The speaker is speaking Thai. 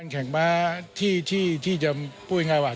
แข่งม้าที่จะพูดง่ายว่า